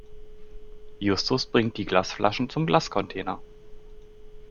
Justus bringt die Glasflaschen zum Glascontainer.